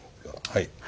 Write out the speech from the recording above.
はい。